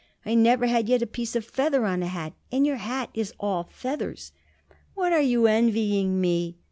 I never had yet a piece of feather on a hat, and your hat is all feathers." "What are you envying me?"